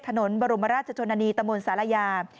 ถนนบรมราชชนนานีตมศาลายา